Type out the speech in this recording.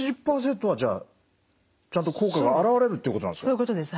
そういうことです。